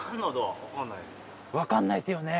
分かんないっすよね